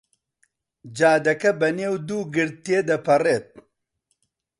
جادەکە بەنێو دوو گرد تێ دەپەڕێت.